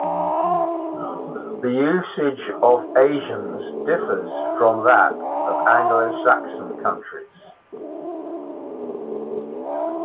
The usage of "Asians" differs from that of Anglo-Saxon countries.